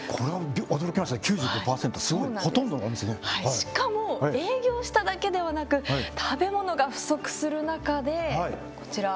しかも営業しただけではなく食べ物が不足する中でこちら。